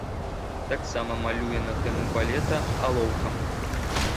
Таксама малюе на тэму балета, алоўкам.